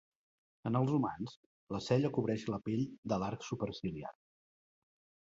En els humans, la cella cobreix la pell de l'arc superciliar.